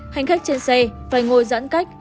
hành khách trên xe phải ngồi giãn cách